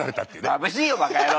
「まぶしいよばか野郎！」